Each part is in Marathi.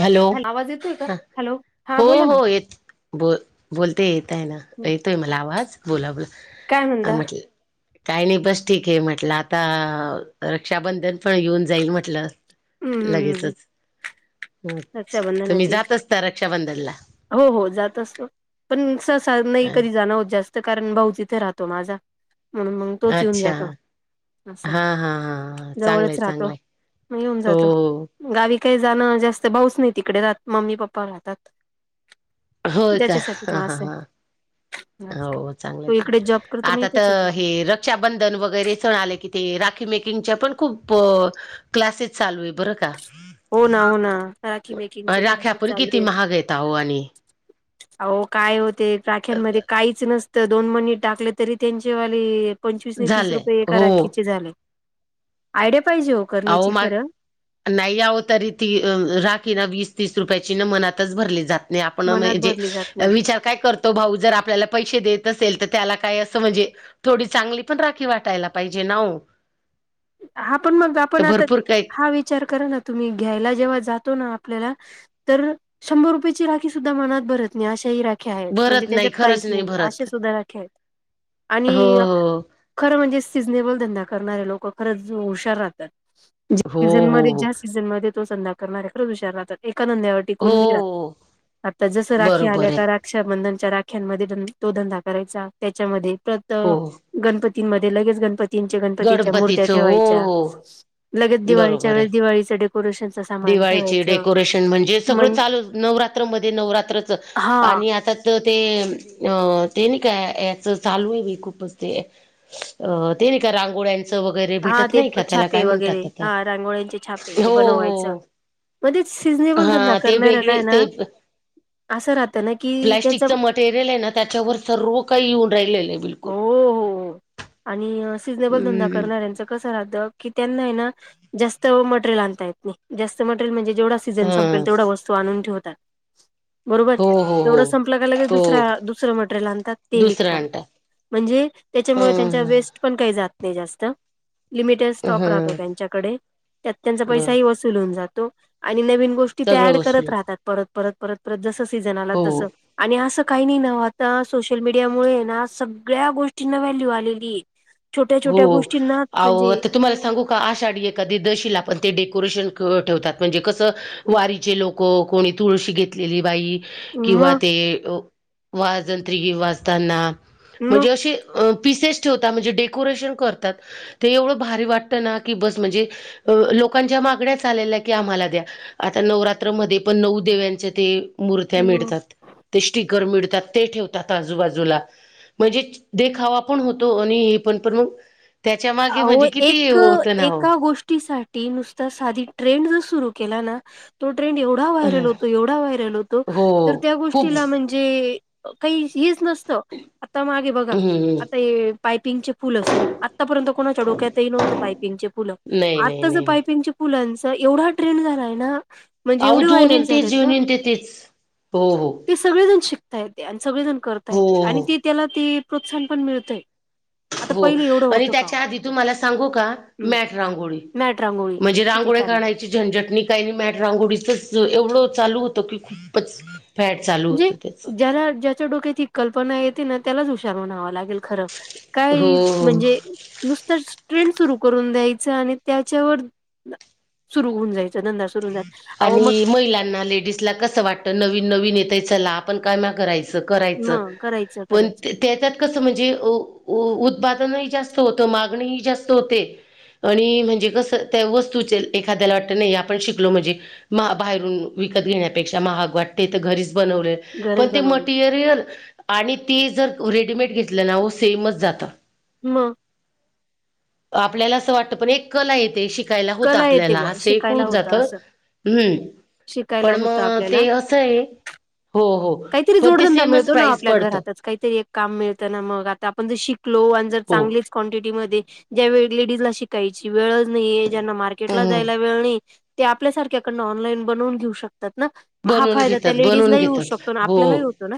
हॅलो हॅ आवाज येतोय का हा हॅलो. हा हो बोला ना हो येत बोल बोलता येतय ना येतोय मला आवाज हं, बोला बोला. काय म्हता म्हटलं काही नाही बस ठीक आहे म्हटलं आता रक्षाबंधन पण येऊन जाईल म्हटलं. हम्म लगेचच. अच्छा. तुम्ही रक्षाबंधनाची जात असता रक्षाबंधनला हो हो जात असतो. पण ससा नाही अ कधी जाणं होत जास्त कारण भाऊ तिथे राहतो माझा म्हणून मग तोच येऊन अच्छा जातो. असं हा हा हा आहे चांगलंय जवळच राहतो चांगलंय मग येऊन हो जातो. हो. गावी काही जाणं जास्त भाऊस नाही तिकडे राहत मम्मी पप्पा राहतात. होय का त्याच्यासाठी हा हा मास आहे. हा हो चांगलं तो इकडे जॉब चांगलं करतो मग आता इथेच येतो तर हे र बंधन वगैरे सण आले कि ते राखी मेकिंगच्या पण खूप. क्लासेस चालू आहे बरं का. हो ना हो ना राखी मेकिंगचे राख्या क्लासेस पण किती महाग येतह आणि. अह काय होते राख्यांमध्ये काहीच नसतं दोन मणी टाकले तरी त्यांचे वाले. पंचवीस तीस झाल्या रुपये एका हो राखीचे झाले आयडि पाहिजे हो. अह करण्याची म खरं नाही यावं तरी ती राखी ना वीस तीस रुपयाची ना मनातच भरली जात. न आपण मनात जे भरली जात नाही. विचार काय करतो भाऊ जर आपल्याला पैसे देत असेल तर त्याला काय असं म्हणजे. थोडी चांगली पण राखी वाटायला पाहिजे ना. हा पण मग तर आपण आता भरपूर काही हा विचार करा ना तुम्ही घ्यायला जेव्हा जातो ना आपल्याला तर शंभर रुपयाेची राखी सुद्धा मनात भरत नाही अशा ह राख ्या आहेत म्हणजे भरत नाही त्यांच्यात काहीच खरंच नाही असशे भरत सुधारे आहेत हो आणि. हो खर म्हणजे सिजनेबल धंदा करणारे लोक खरंच हुशार राहतात हो सीझ म हो हो जास्त. सीझन मध्ये तो संध्या करणार आहे खरंच विचारला तर एका नंद्यावर. हो टिकून रा हो. आता जस राखी बरोबर आल्या आहे का रा [unintelligible] रक्षाबंधनच्या राख्यांमध्ये तो धंदा करायचा त्याच्यामध्ये प्रत हो गणपतींमध्ये लगेच गणपतीचे गणपतींच्या मूर्त्या गणपतीचं हो ठेवायच्या. हो लगेच दिवाळीच्या बरोबर आहे वेळेस दिवाळीचं डेकोरेशनचं सामान दिवाळीचे ठेवायचं डेकोरेशन म्हणजे सगळं चालू नवरा म नवरात्रच हा आणि आता तर ते अ ते नाही काय याच चालू आहे भ खूपच ते अ ते नाही का रांगोळ्यांचं वगैरे हा भेटत ते नाही का त्याला छापे काय वगैरे म्हणतात. हा रांगोळ्यांचे छापे हो ते हो बनवायचं. हो. मग ते सिझनेबल धंदा हा ते करणाऱ्याला वेगळे आहे ते. ना असं राहत ना कि त्याचम तेर आहे ना त्याच्यावर सर्व काही येऊन राहिले बिल [unintelligible] हो हो आणि सीजनेबल धंदा हम्म करणाऱ्यांचं कस म्हण जे [unintelligible] सीझन हा संपेल तेवढा वस्तू आणून ठेवतात. बरोबर हो हो तेवढं संपलं का लगेच हो हो दुसरा दुसरं मटेरियल आणतात ते दुसरं विकतात. आणतात म्हणजे ह त्याच्यामुळे त्यांच्या वेस्ट पण काही जात नाही जास्त. लिमिटेड ह स्टॉक राहतो त्यांच्याकडे त्या त्यांचा बरोबर पैसाही वसू लून जातो आणि नवीन गोष्टी ऍड सगळं करत वस्तू राहतात परत परत परत. जस सीझन आला हो तसं आणि असं काही नाही नाव आता सोशल मीडियामुळे ना स सगळ्या गोष्टींना व्हॅल्यू आलेली आहे. छोट्या हो छोट्या गोष्टींना आव म्हणजे आता तुम्हाला सांगू का का आषाढी एखादी दशीला पण ते डेकोरेशन क ठेवतात म्हणजे कसं वारीचे लोक हो कोणी तुळशी घेतलेली बाई किंवा मग ते अ वाजंत्री वाताना मग म्हणजे असे अ पसेस होता म्हणजे डेको डेकोरेशन करतात ते एवढं भारी वाटतं ना की बस म्हणजे अ लोकांच्या मागण्या आलेल्या की आम्हाला द्या. आता नवरात्रमध्ये पण नऊ देव्यांच्या ते मूर्त्या मग मिळतात. ते स्टिकर मिळतात ते ठेवतात आजूबाजूला म्हणजे देखावा पण होतो आणि पण मग. त्याच्या मागे आव म्हणजे किती एक होतं ना हो एका गोष्टीसाठी. ठी नुसता साधी ट्रेंड जर सुरु केला ना तो ट्रेंड एवढ एवढा व्हायरल होतो एवढा व्हायरल होतो हो तर त्या खूप गोष्टीला म्हणजे काही हेच नसतं आता मागे बघा हम्म आता हे पायपिंगचे फूल असून आतापर्यंत कोणाच्या डोक्यातही नव्हत पायपिंगचे पुलं नाही नाही आता ज नाही नाही पायपिंगचे फलांचा एवढा ट्रेंन झालाय ना. म्हणजे पाह एवढे जऊन व्हायरल येन तेच झालेत जेऊन ना येन ते तेच हो हो [unintelligible] ते सगळेजण शिकता येते आणि सगळेजण करता येते हो आणि ते त्याला ते प्रोत्साहन पण मिळतय. हो आणि त्या या आधी सांग का हम्म रांगोळी मॅट रांगोळी म्हणजे किती रांगो चालली काढा याची झंझटणी काही मॅट रांगोडीचच एवढं चालू होतो की खूपच फॅट चालू होतं त्याच. जरा ज च्या डोक्यात ही कल्पना येते ना त्यालाच हुशार म्हणावं लागेल खरं काय हो हो म्हणजे नुसत ट्रेंड सुरू करून द्यायचं आणि त्याच्यावर सुरु होऊन जायचा धंदा सुरू जायचा अहो मग आणि महिलांना लेडीजला कसं वाटत नवीन नवीन यताय चला आपण काय नाय राहायचं. करायच मग करायचं पण करायचं ते त्या त्यात कस म्हणजे उ उ उत्पादनही जास्त होतं मागणीही जास्त होते. आणि म्हणजे कसं त्या वस्तूचे एखाद्याला वाटतं नाही आपण शिकलो म्हणजे. महा बाहेरून विकत घेण्यापेक्षा महाग वाटते तर घरीच बनवले. घरच पण ते बनवलं मटिरियल आणि ते जर रेडीमेड घेतलं ना सेमच जात म आपल्याला असं वाटत पण एक कला येते शिकायला होता कला येते आपल्याला बुवा असं एक शिकायला होऊन होतं जातं असं हम्म शिकायला पण होतं मग आपल्याला ते असं आहे हो हो काहीतरी पण ते जोडधंदा सेमच मिळतो ना प्राईस आपल्या पडतं घरातच काहीतरी एक काम मिळतं ना मग आता आपण जर शिकलो आणि जर हो चांगलेच क्वांटिटी मध्ये ज्या वेळी लेडीज ला शिकायची वेळच नाही. ज्यांना मार्केटला हम्म जायला वेळ नाही ते आपल्या सारख्याकडन ऑनलाईन बनवून घेऊ शकतात ना. हा बनवून फायदा त्या घेतात लेडीज बनवून नाही होऊ घेतात शकतो ना हो आपल्यालाही होतो ना.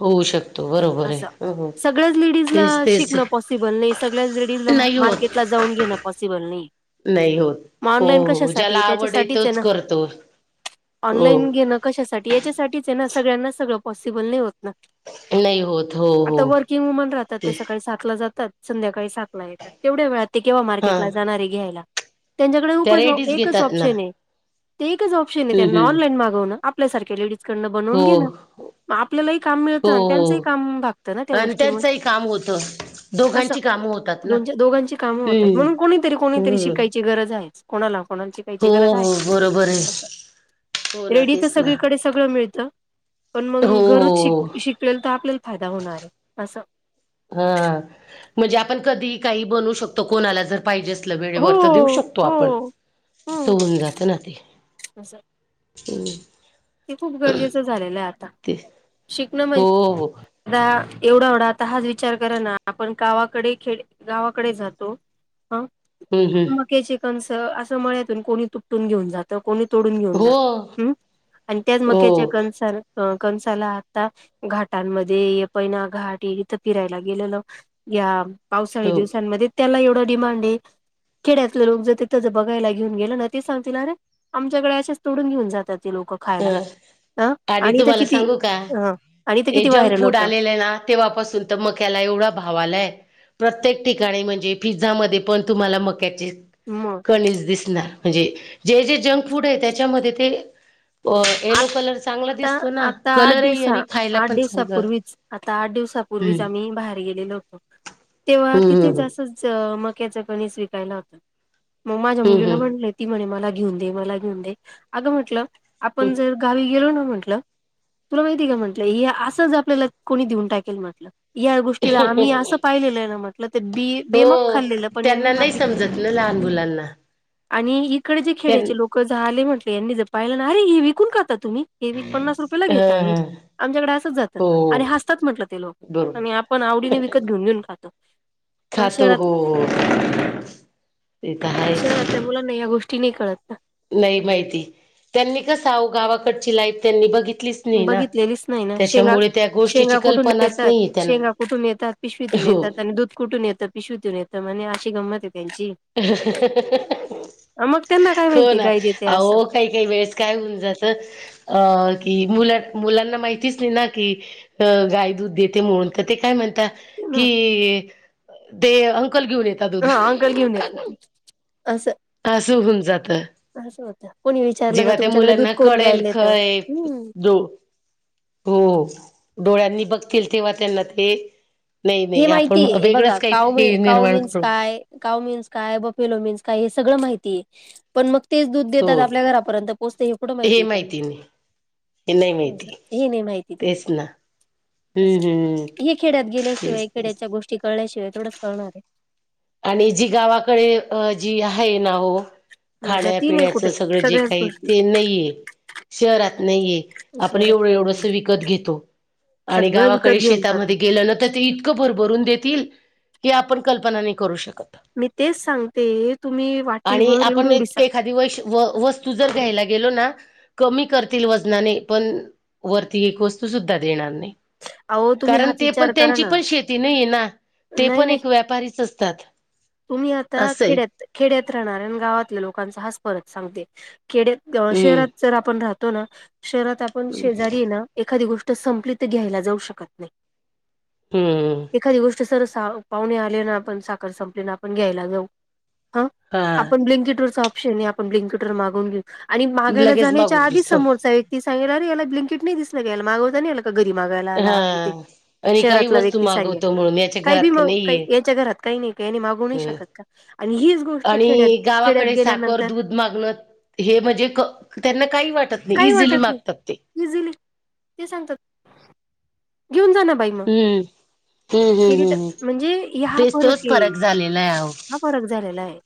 होऊ शकतो बरोबर आहे असं हो हो सगळ्याच लेडीज तेच तेच शिकण पॉसिबल नाही. सगळ्या लेडीज नाही होत मार्केट ला जाऊन घेणं पॉसिबल नाही. नाही होत. मग हो ऑनलाईन हो ज्याला कशासाठी आवड त्याच्यासाठीच आहे तोच ना करतो हो ऑनलाईन घे. कशासाठी याच्यासाठीच आहे ना सगळ्यांना सगळं पॉसिबल नाही होत ना. नाही होत हो हो आता वर्किंग वुमन राहतात ते सकाळी स- सातला जातात संध्याकाळी सातला येतात तेवढ्या वेळ ते केव्हा हा मार्केट ला जाणारे घ्यायला. त्यांच्याकडे त्या खपच रेडीच एकच घेतात ना ऑप्शन आहे ते एकच ऑप्शन आहे हम्म त्यांना हम्म ऑनलाईन मागवण. आपल्यासारख्या लेडीज कडनं बनवून घे हो न. आपल्यालाही काम हो मिळतं ना त्यांचंही हो काम भागतं ना त्या आणि गोष्टीमुळे, त्यांचंही काम होतं असं दोघांची कामं होतात ना दोच्या दोघांची कामं होतात हम्म म्हणून कोणीतरी कोणीतरी हम्म शिकायची गरज आहेच. कोणाला कोणाची काहीची हो गरज आहे हो ती ग- बरोबर आहे हो ना रेडी तर तेच ना सगळीकडे सगळं मिळतं पण मग हो हो घरच शिक हो शिक- पळेल तर आपल्याला फायदा होणार आहे अस- हा म्हणजे आपण कधी काही बनू शकतो कोणाला जर- पाहिजे असल वेळेवर तर देऊ हो शकतो हो आपण अस हो होऊन जात ना ते, असं हम् ते खूप गरजेचं झालेलं आहे आता. ते शिकणं हो म्हणजे, हो आता एवढा एवढा आता हाच विचार करा ना आपण गावाकडे खे गावाकडे जातो. हं हम् हम् मक्याचीच कनस असं मतून कोणी तुटून घेऊन जात. तो कोणी तोडून घेऊन हो जातं आणि त्याच मक्याच्या हो कणसांना- त्याला आता घाटांमध्ये पैना घाट इिथं फिरायला गेलेल. या पावसाळी हो दिवसांमध्ये त्याला एवढं डिमांड आहे. खेड्यात लोक ज तिथं ज बघायला घेऊने ना ते सांगतील ना रे. आमच्याकडे असेच तोडून घेऊन जातात ते लोक अ खायला ह आणि इथ तुम्हाला किती, सांगू का हा आणि ते हे किती जंक व्हायरल फूड होतं. आलेलं आहे ना तेव्हापासून तर मक्याला एवढा भाव आलाय. प्रत्येक ठिकाणी म्हणजे पिझ्झामध्ये पण तुम्हाला मक्याचे- म कणीज दिसणार म्हणजे जे जे जंक फूड आहे त्याच्यामध्ये ते अ येलो कलर चांगला आता दिसतो ना आता आठ कलरही आणि दिवसा खायला आठ पण चांगलं दिवसापूर्वीच आता आठ दिवसापूर्वीच हम्म आम्ही बाहेर गेलेलो होतो तेव्हा हम्म तिथे हम्म जास् मक्याच कणीस विकायला मग माझ्या हम्म मुलीला हम्म म्हणटले ती म्हणे मला घेऊन दे मला घेऊन दे अगं म्हंटलं हम्म. आपण जर गावी गेलो ना म्हटलं तुला माहिती का म्हटलं हे असंच आपल्याला कोणी देऊन टाकेल म्हटलं या गोष्टीला आम्ही असं पाहिलेलं आहे ना म्हटलं तर बी बेमाफ हो खाल्लेलं पण आणि त्यांना बेमाप नाही विकलेलं समजत पण. ना लहान मुलांना आणि इकडे जे त्यां खेड्याचे लोक झाले म्हटले यांनी जर पाहिलं ना अरे हे विकून खाता तुम्ही, ते वीस पन्नास रुपयाे ला ह घेतावी. ह आमच्याकडे हसत जातं हो आणि हसतात म्हटलं ते लोक बरोबर आणि आपण आवडीने विकत घेऊन घेऊन खातो. अ, खातो शहरात हो ते तर शहरातल्या आहेच. मुलांना या गोष्टी नाही कळत का नाही माहिती त्यांनी कस अवो गावाकडची लाईफ त्यांनी बघितली बघितलेलीच नाही ना शेग शेंगा गोष्टीची कुठून कल्पनाच येतात नाहीये त्यांना शेंगा कुठून येतात पिशवीतून हो येतात आणि दूध कुठून येतात पिशवितुन येत म्हन अशी गंमत आहे त्यांची अ, मग त्यांना काय हो माहिती ना गाय देते असं. अवो काही काही वेळेस काय होऊन जातं अ की मुला मुलांना माहितीच नाही ना की अ गाय दूध देते म्हणून तर ते काय म्हणत ना कि ते अंकल घेऊन येते हा अंकल घेऊन येतात असं अस होऊन जातं असं होतं. कोणी विचारलं का जेव्हा त्या तुमच्याकडे दूध मुलांना कोण कळेल द्यायला येतं? खय हं. दो हो डोळ्यांनी बघतील तेव्हा त्यांना ते नाही हे नाही आपण माहितीय आहे बघा वेगळंच काव म काहीतरी काव निर्माण मन्स करू काय काव मीन्स काय बफेलो मीन्स काय हे सगळं माहितीये पण मग तेच दूध देतात हो आपल्या घरापर्यंत पोहोचते हे कुठं माहितीय आहे त्यांना माहिती नाही हे नाही माहिती हे नाही माहिती तेच ना त्यांना अस हम्म हम्म हे खेडत गेल्यास शिवाय तेच इकडे तेच याच्या गोष्टी कळल्याशिवाय थोडच कळणार आहे आणि जी गावाकडे जी आहे ना हो मजा ती नाही खाण्यापिण्याच कुठे सगळं जे सगळ्याच काही गोष्टी ते नाहीये शहरात नाहीय आहे आपण शहरात एवढं काही एवढंस नाही विकत घेतो आणि सगळं विकत गावाकडे घेऊन जातो शेतामध्ये गेलं ना तर ते इ इतकं भर भरून देतील की आपण कल्पना नाही करू शकत मी तेच सांगते तुम्ही आणि वाटीभर एवढी आपण एवढी सांग एखादी वैश व वस्तू जर घ्यायला गेलो ना कमी करतील वजनाने पण वरती एक वस्तू सुद्धा देणार नाही अहो तुम्ही कारण हाच ते पण विचार करा त्यांची ना पण शेती नाही आहे ना नाही ते पण नाही एक व्यापारीच असत तुम्ही आता खेड्यात खेड्यात राहणाऱ्या गावातल्या लोकांचा हाच परत सांगते खेड्यात हम्म शहरात जर आपण राहतो ना शहरात आपण शेजारी ना एखादी गोष्ट संपली तर घ्यायला नाहीजाऊ शकत हम्म. एखादी गोष्ट सर पाहुणे आले ना आपण साखर झोपीत आपण घ्यायला जाऊ ह हा आपण ब्लिंकेट वर आपण ब्िंकटर मागून घेऊ आणि मागायला लगेच जाण्याच्या मागून घेऊ आधी सांग समोरचा एक तीगला र याला ब्लंकेट नाही दिसलं याला मागवता नाही आल का घरी मागायला हा आणि काही शहरात वस्तू व्यक्ती सांगे मागवतो म्हणून याच्या काही घरात बी म का नाहीये याच्या घरात काही नाही का माग ह शकत का आणि हीच गोष्ट खेड्यात खेड्यात गेल्यानंतर माग हे म्हणजे त्यांना काही वाटत नाही काही इझिली वाटत मागतात ते नाही इझिली ते सांगतात घेऊन जाना बाई हम्म हम्म हम्म हम्म म्हणजे ह तेच फरक तोच ये झालेला आहे अहो. ह फडक झालेला आहे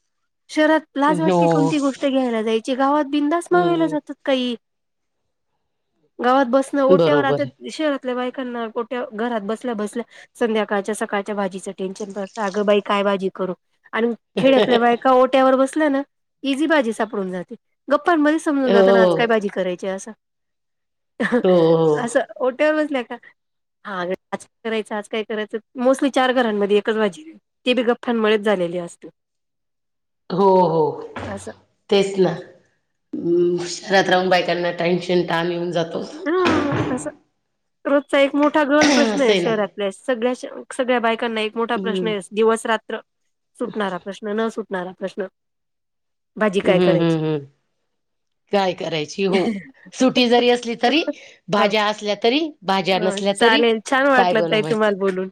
शहरात लाज वाटते हो कोणती गोष्ट घ्यायला जाय गावात बिंद माग जात हम्म का गावात ब ओट्यावर बरोबर आता शहरातल्या बायकांना कोट्या घरात बसल्या बसल्या संध्याकाळच्या सकाळच्या भाजीचं टेन्शन असत अगं बाई काय भाजी करू आणि खेड्यातल्या बायका ओट्यावर बसल्यान इझी बाजी सापडून जाते गप्पांमध्ये समजून आहे जात ना हो कराय अस हो अस हो टे नाही का हा अ आज काय करायचं आज काय करायचं मोस्टली चार घरांमध्ये एकच बाजी ते बि गप्या मुळेच झालेली असते हो. हो. असं तेच ना शहरात राहून बायकांना टेन्शन, तान येऊन जातो. हं. अस रोजचा एक मोठा गल असं प्रश्नयं आहे ना शहरातल्या सगळ्या - - सगळ्या बायकांना एक मोठा प्रश्न हम्म आहे दिवस रात्र सुटणारा प्रश्न न सुटणारा प्रश्न भाजी म्म काय हम्म करायची हम् काय करायची हो सुटी जरी असली तरी ह भाज्या असल्या तरी, भाज्या नसल्या तरी चालेल छान काय वाटलं ताई बनवायचं? तुम्हाला बोलून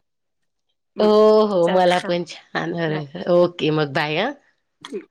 हम् हो. हो. चालेल मला हा पण छान [unintelligible] ओके मग बाय हं. ठीक.